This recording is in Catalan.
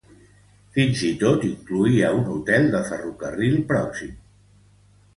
Fins i tot incloïa un hotel de ferrocarril pròxim.